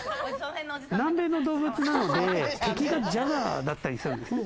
南米の動物なので敵がジャガーだったりするんですね。